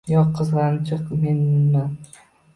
Yo`q, qizg`anchiq menman